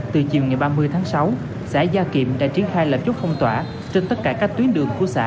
từ chiều ngày ba mươi tháng sáu xã gia kiệm đã triển khai lập chốt phong tỏa trên tất cả các tuyến đường của xã